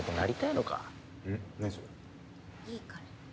いいから。